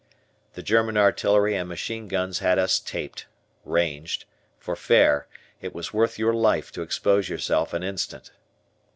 The German artillery and machine guns had us taped (ranged) for fair; it was worth your life to expose yourself an instant.